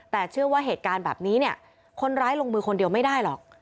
แต่เชื่อว่าเหตุการณ์แบบนี้เนี่ยคนร้ายลงมือคนเดียวไม่ได้หรอก